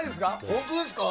本当ですか？